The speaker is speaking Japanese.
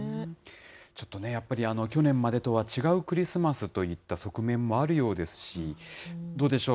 ちょっとね、やっぱり去年までとは違うクリスマスといった側面もあるようですし、どうでしょう？